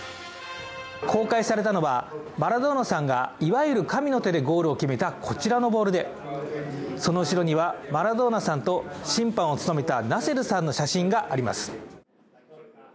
公開されたのはマラドーナさんがいわゆる神の手でゴールを決めたこちらのボールで、その後ろにはマラドーナさんと審判を務めたナセルさんの写真があります。